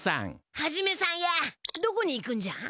ハジメさんやどこにいくんじゃ？